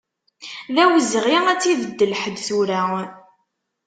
D awezɣi ad tt-ibeddel ḥedd tura.